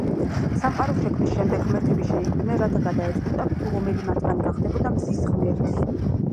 სამყაროს შექმნის შემდეგ ღმერთები შეიკრიბნენ, რათა გადაეწყვიტათ, თუ რომელი მათგანი გახდებოდა მზის ღმერთი.